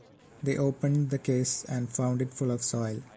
They opened the case and found it full of soil.